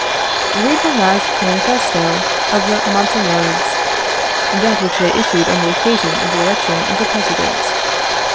Read the last manifesto of the Montagnards that which they issued on the occasion of the election of the President.